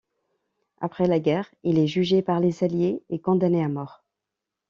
Après la guerre, il est jugé par les Alliés et condamné à mort.